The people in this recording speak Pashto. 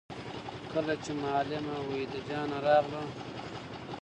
کله چې معلم وحيده جانه راغله